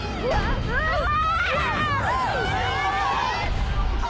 うわ！